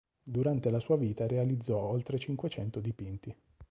Durante la sua vita realizzò oltre cinquecento dipinti.